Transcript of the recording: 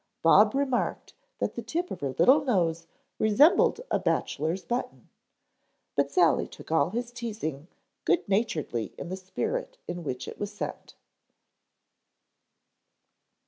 Bob remarked that the tip of her little nose resembled a bachelor's button. But Sally took all his teasing good naturedly in the spirit in which it was sent.